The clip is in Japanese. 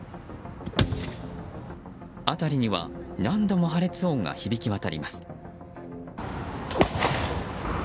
辺りには何度も破裂音が響き渡ります。